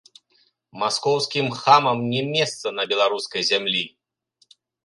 Маскоўскім хамам не месца на беларускай зямлі!